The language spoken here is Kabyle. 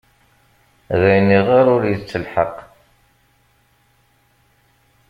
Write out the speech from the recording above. D ayen iɣer ur yettelḥaq.